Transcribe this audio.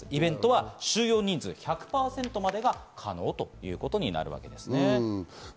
イベントは収容人数１００％までが可能ということになります。